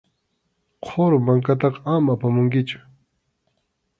Qhuru mankataqa ama apamunkichu.